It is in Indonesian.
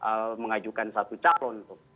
kalau misalnya kemudian komunikasi politik dengan gerindra